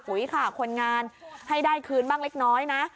ค่ะคนงานให้ได้คืนบ้างเล็กน้อยนะ